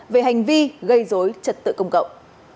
về hành vi gây dối trật tự công cộng